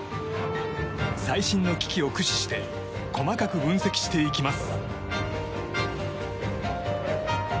最新の機器を駆使して細かく分析していきます。